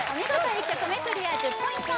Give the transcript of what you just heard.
１曲目クリア１０ポイント